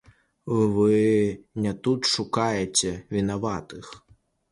Вы не тут шукаеце вінаватых!